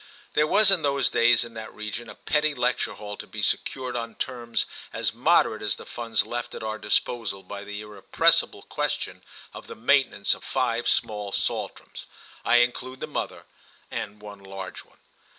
There was in those days in that region a petty lecture hall to be secured on terms as moderate as the funds left at our disposal by the irrepressible question of the maintenance of five small Saltrams—I include the mother—and one large one.